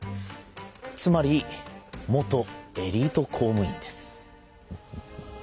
つまり元エリート公むいんです。